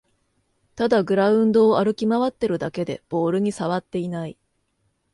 ただグラウンドを歩き回ってるだけでボールにさわっていない